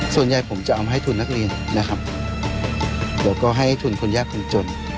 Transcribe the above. ส่วนใหญ่ผมจะเอามาให้ทุนนักเรียนนะครับแล้วก็ให้ทุนคนยากคนจน